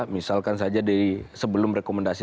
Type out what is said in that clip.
misalkan saja sebelum rekomendasi